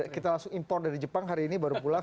kita langsung import dari jepang hari ini